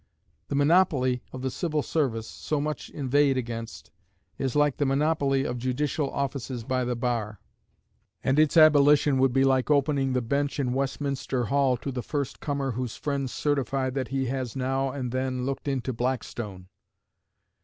The "monopoly" of the civil service, so much inveighed against, is like the monopoly of judicial offices by the bar; and its abolition would be like opening the bench in Westminster Hall to the first comer whose friends certify that he has now and then looked into Blackstone.